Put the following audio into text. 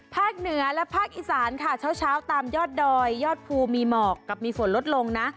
เหนือและภาคอีสานค่ะเช้าตามยอดดอยยอดภูมีหมอกกับมีฝนลดลงนะ